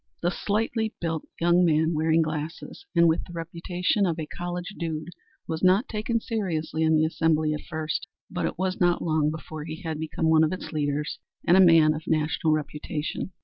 The slightly built young man wearing glasses and with the reputation of a college dude was not taken seriously in the Assembly at first, but it was not long before he had become one of its leaders and a man of national reputation.